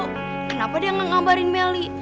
kenapa dia gak ngambarin melly